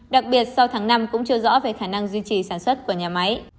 đặc biệt sau tháng năm cũng chưa rõ về khả năng duy trì sản xuất của nhà máy